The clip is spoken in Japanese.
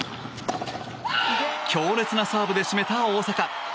強烈なサーブで締めた大坂。